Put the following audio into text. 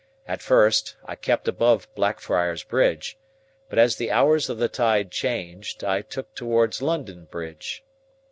At first, I kept above Blackfriars Bridge; but as the hours of the tide changed, I took towards London Bridge.